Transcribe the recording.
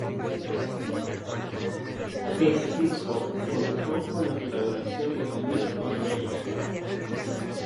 Es disco contó con la colaboración de Luís Oliveira.